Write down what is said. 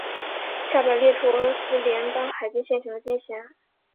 下表列出俄罗斯联邦海军现行的军衔。